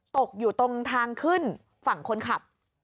ตกอยู่ตรงทางขึ้นฝั่งคนขับ